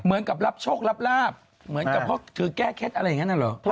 เหมือนกับรับโชครับราบเหมือนกับคือแก้เค็ดอะไรอย่างนั้นหรอ